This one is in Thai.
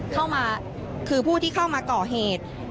เข้ามาคือผู้ที่เข้ามาก่อเหตุ